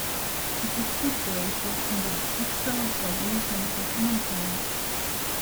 It is situated in the historical region of Muntenia.